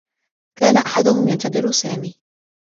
كان أحدهم ينتظر سامي.